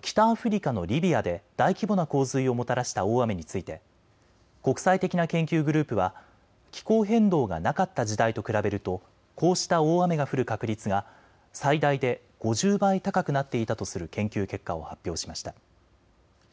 北アフリカのリビアで大規模な洪水をもたらした大雨について国際的な研究グループは気候変動がなかった時代と比べると、こうした大雨が降る確率が最大で５０倍高くなっていたとする研究結果を発表しました。